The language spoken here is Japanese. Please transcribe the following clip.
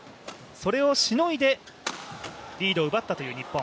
それをしのいでリードを奪った日本。